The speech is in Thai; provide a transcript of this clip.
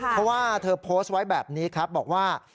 เพราะว่าเธอโพสต์ไว้แบบนี้ครับบอกว่า